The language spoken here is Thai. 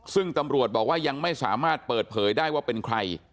ซึ่งตำรวจบอกว่ายังไม่สามารถเปิดเผยได้ว่าเป็นใคร